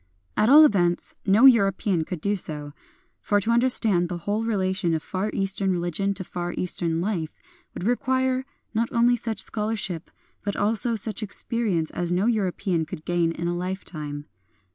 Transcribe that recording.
At all events, no European, could do so ; for to understand the whole relation of Far Eastern religion to Far Eastern life would require, not only such scholarship, but also such experience as no European could gain in a lifetime.